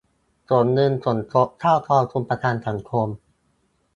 ส่งเงินสมทบเข้ากองทุนประกันสังคม